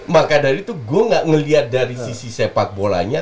jadi gue nggak ngelihat dari sisi sepak bolanya